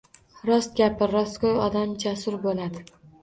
Rost gapir. Rostgo’y odam jasur bo’ladi.